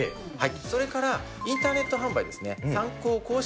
それから、インターネット販売ですね、サンコー公式